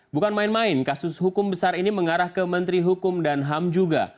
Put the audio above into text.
bukan main main kasus hukum besar ini mengarah ke menteri hukum dan ham juga